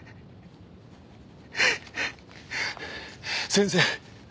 先生。